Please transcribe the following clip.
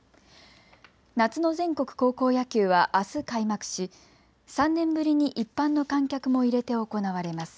夏の全国高校野球はあす開幕し３年ぶりに一般の観客も入れて行われます。